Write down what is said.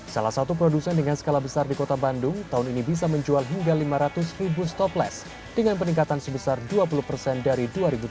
salah satu produsen dengan skala besar di kota bandung tahun ini bisa menjual hingga lima ratus ribu stopless dengan peningkatan sebesar dua puluh persen dari dua ribu tujuh belas